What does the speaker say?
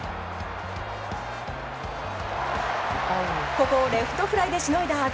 ここをレフトフライでしのいだ東。